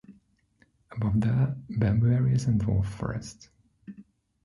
Above there, bamboo areas and dwarf forest.